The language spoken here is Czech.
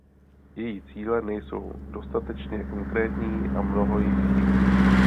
Její cíle nejsou dostatečně konkrétní a mnoho jich chybí.